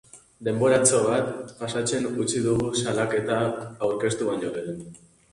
Denboratxo bat pasatzen utzi dugu salaketa aurkeztu baino lehen.